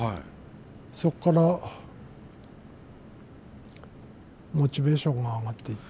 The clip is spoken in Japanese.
そこからモチベーションが上がっていって。